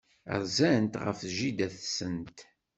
Rzant ɣef jida-tsent.